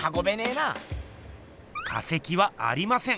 化石はありません。